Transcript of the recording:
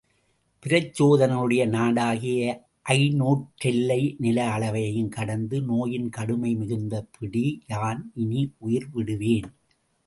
பிரச்சோதனனுடைய நாடாகிய ஐந்நூற்றெல்லை நில அளவையும் கடந்து நோயின் கடுமை மிகுந்த பிடி, யான் இனி உயிர் விடுவேன்.